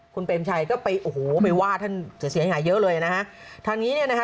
คุณเป็มชัยก็ไปโอ้โหไปว่าท่านเสียหายหายเยอะเลยนะฮะ